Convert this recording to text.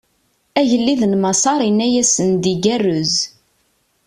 Agellid n Maṣer inna-asen-d igerrez.